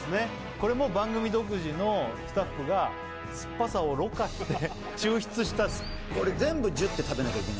これも番組独自のスタッフが酸っぱさを濾過して抽出したこれ全部ジュッて食べなきゃいけないの？